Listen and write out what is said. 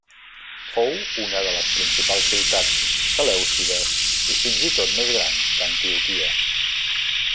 Fou una de les principals ciutats selèucides i fins i tot més gran que Antioquia.